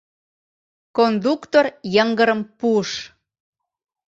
Кондуктор йыҥгырым пуыш.